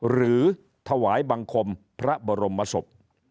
หรือถวายบังคมพระบรมศพ